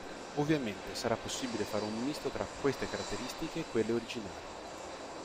Ovviamente sarà possibile fare un misto tra queste caratteristiche e quelle originali.